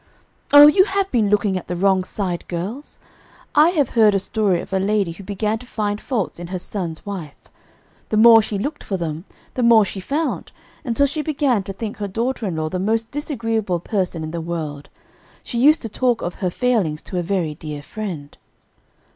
"Oh, you have been looking at the wrong side, girls. I have heard a story of a lady who began to find faults in her son's wife. The more she looked for them, the more she found, until she began to think her daughter in law the most disagreeable person in the world. She used to talk of her failings to a very dear friend.